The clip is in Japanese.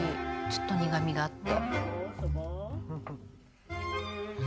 ちょっと苦みがあって。